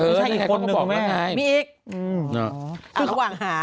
ไม่ใช่อีกคนนึงแม่มีอีกอ่าวขวางหา